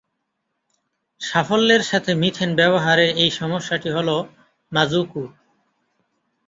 সাফল্যের সাথে মিথেন ব্যবহারের এই সমস্যাটি হ'ল মাজুকু।